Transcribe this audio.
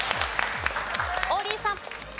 王林さん。